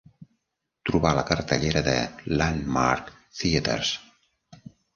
Trobar la cartellera de Landmark Theatres.